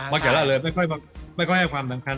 ไม่ค่อยให้ความสำคัญ